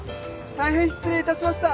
大変失礼いたしました！